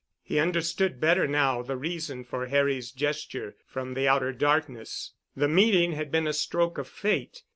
He understood better now the reason for Harry's gesture from the outer darkness. The meeting had been a stroke of Fate.